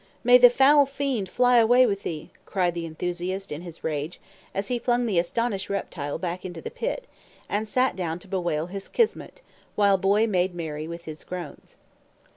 "May the foul fiend fly away with thee!" cried the enthusiast in his rage, as he flung the astonished reptile back into the pit, and sat down to bewail his kismut, while Boy made merry with his groans.